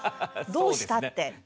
どうしたって。